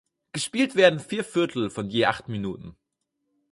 Gespielt werden vier Viertel von je acht Minuten.